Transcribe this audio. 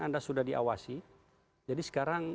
anda sudah diawasi jadi sekarang